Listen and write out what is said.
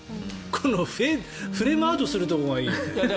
このフレームアウトするところがいいよね。